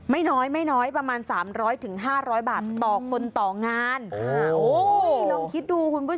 ไม่น้อยไม่น้อยประมาณ๓๐๐๕๐๐บาทต่อคนต่องานคิดดูคุณผู้